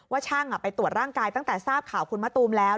ช่างไปตรวจร่างกายตั้งแต่ทราบข่าวคุณมะตูมแล้ว